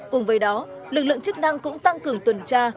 cùng với đó lực lượng chức năng cũng tăng cường tuần tra